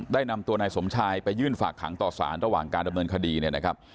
นำตัวนายสมชายไปยื่นฝากขังต่อสารระหว่างการดำเนินคดีเนี่ยนะครับ